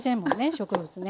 植物ね。